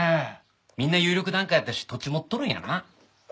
みんな有力檀家やったし土地持っとるんやな。